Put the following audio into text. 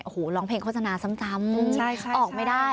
โอ้โหร้องเพลงโฆษณาซ้ำออกไม่ได้